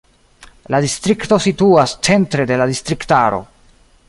La distrikto situas centre de la distriktaro.